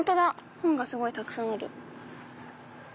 本がすごいたくさんある。